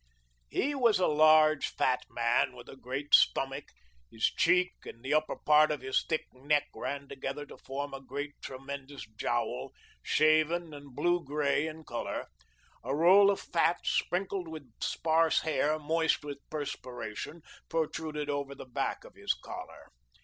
He was a large, fat man, with a great stomach; his cheek and the upper part of his thick neck ran together to form a great tremulous jowl, shaven and blue grey in colour; a roll of fat, sprinkled with sparse hair, moist with perspiration, protruded over the back of his collar.